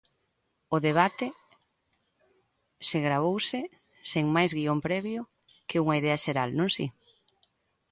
O debate se gravouse sen máis guión previo que unha idea xeral, non si?